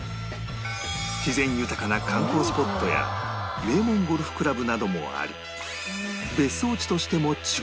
自然豊かな観光スポットや名門ゴルフクラブなどもあり